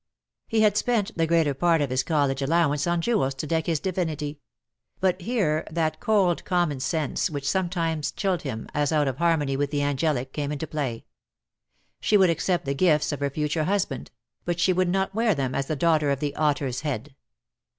He had spent the greater part of his college allowance on jewels to deck his divinity; but here that cold commonsense which sometimes chilled him, as out of harmony with the angelic, came into play. She would accept the gifts of her future husband; but she would not wear them as the daughter of the "Otter's Head."